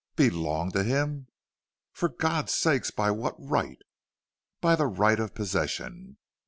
"Belong to him!... For God's sake! By what right?" "By the right of possession.